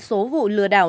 số vụ lừa đảo